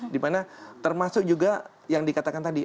di mana termasuk juga yang dikatakan tadi